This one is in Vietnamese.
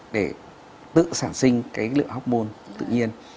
để tự sản sinh cái lượng hormone tự nhiên